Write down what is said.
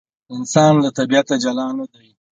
انسان له طبیعته جلا نه دی.